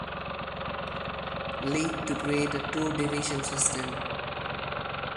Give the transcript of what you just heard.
League to create a two-division system.